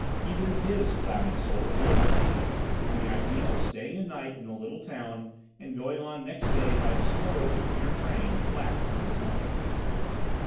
Even his flabby soul revolted, and the idea of staying a night in the little town and going on next day by a slower, emptier train, flashed into his mind.